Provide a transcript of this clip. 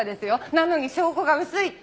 なのに証拠が薄いって！